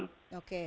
di situ apakah